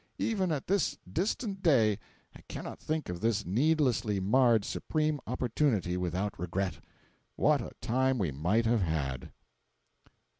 Even at this distant day I cannot think of this needlessly marred supreme opportunity without regret. What a time we might have had!